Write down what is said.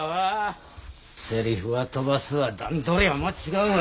セリフは飛ばすわ段取りは間違うわ。